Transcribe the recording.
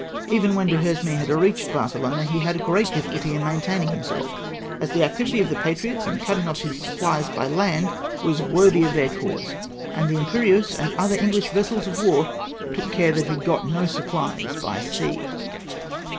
Even when Duliesme had reached Barcelona, he had great difficulty in maintaining himself, as the activity of the patriots in cutting off his supplies by land was worthy of their cause, and the Imperieuse and other Enghsh vessels of war took care that he got no supphes by sea.